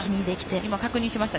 差を確認しました。